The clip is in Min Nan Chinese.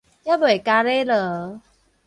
猶未傀儡囉